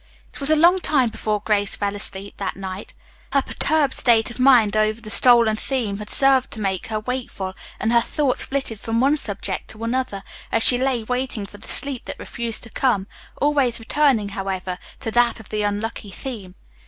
It was a long time before Grace fell asleep that night. Her perturbed state of mind over the stolen theme had served to make her wakeful, and her thoughts flitted from one subject to another, as she lay waiting for the sleep that refused to come, always returning, however, to that of the unlucky theme.